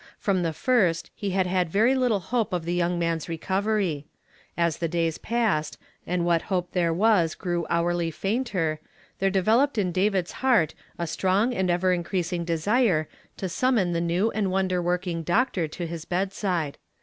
From the fii st he had had very little hope of the young man's recovery. As the days passed, and what hope there was grew hourly fainter, there developed in David's heart a strong and ever increasing desire to summon the new and wonder working doctor to this bedside.